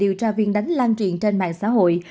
điều tra viên đánh lan truyện trên mạng xã hội